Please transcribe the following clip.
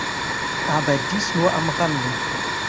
Aber dies nur am Rande.